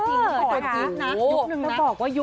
ถังคาติดเล็งเก่าอยู่